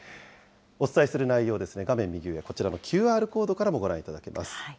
お伝えする内容ですね、画面右上、こちらのＱＲコードからもご覧いただけます。